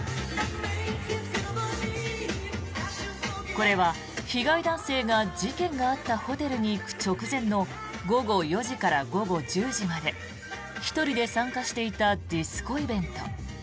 これは被害男性が事件があったホテルに行く直前の午後４時から午後１０時まで１人で参加していたディスコイベント。